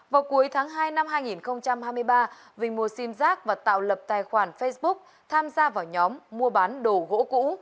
vào cuối tháng hai năm hai nghìn hai mươi ba vinh mua sim giác và tạo lập tài khoản facebook tham gia vào nhóm mua bán đồ gỗ cũ